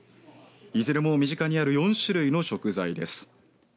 いずれも身近にある４種類の食材です。